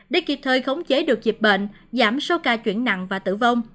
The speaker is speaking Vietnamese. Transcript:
để kịp thời khống chế được dịch bệnh giảm số ca chuyển nặng và tử vong